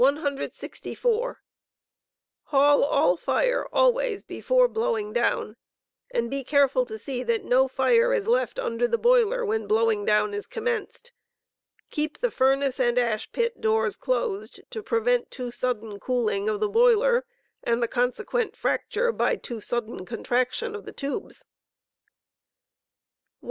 Haul all fire always before blowing down, and be careful to see that no fire is Ruling fee*, left under the*boiler when blowing down is commenced. Keep the furnace and ash pit doors closed to prevent too sudden cooling of the boiler and the consequent fracture by too sudden contraction of the tubes. 165.